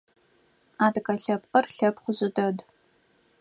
Адыгэ лъэпкъыр лъэпкъ жъы дэд.